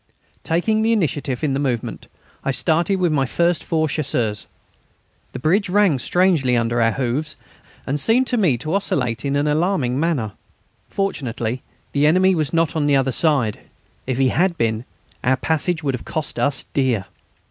Taking the initiative in the movement, I started with my first four Chasseurs. The bridge rang strangely under our horses' hoofs, and seemed to me to oscillate in an alarming manner. Fortunately the enemy was not on the other side; if he had been, our passage would have cost us dear.